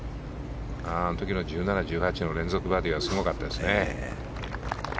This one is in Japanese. あの時の１７、１８の連続バーディーはすごかったですね。